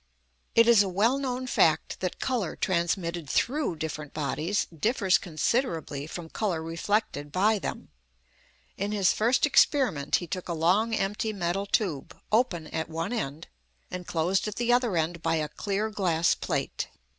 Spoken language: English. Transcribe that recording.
It is a well known fact that colour transmitted through different bodies differs considerably from colour reflected by them. In his first experiment he took a long empty metal tube, open at one end, and closed at the other end by a clear glass plate.